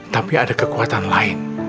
tapi ada kekuatan lain